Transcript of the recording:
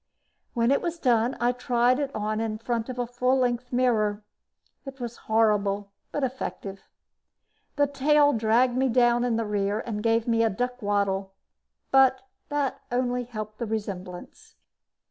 When it was done, I tried it on in front of a full length mirror. It was horrible but effective. The tail dragged me down in the rear and gave me a duck waddle, but that only helped the resemblance.